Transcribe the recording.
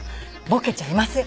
ボケちゃいません！